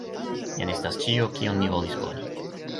Jen estas ĉio, kion mi volis koni.